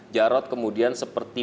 jarod kemudian seperti